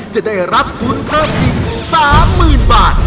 จะได้รับทุนเพิ่มอีก๓๐๐๐บาท